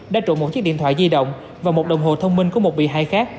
đã trộn một chiếc điện thoại di động và một đồng hồ thông minh của một bị hại khác